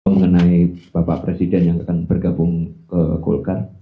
mengenai bapak presiden yang akan bergabung ke golkar